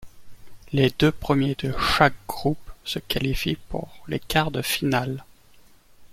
Les deux premiers de chaque groupe se qualifient pour les quarts de finale.